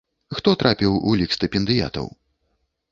Хто трапіў у лік стыпендыятаў?